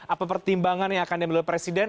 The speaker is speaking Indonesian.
apa pertimbangan yang akan dimiliki presiden